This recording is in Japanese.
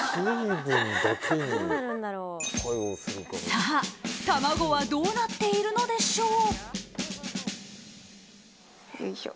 さあ、卵はどうなっているのでしょう。